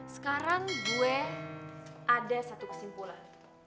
sekarang gue ada satu kesimpulan